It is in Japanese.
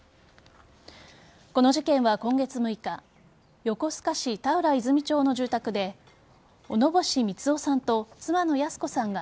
この事件は今月６日横須賀市田浦泉町の住宅で小野星三男さんと妻の泰子さんが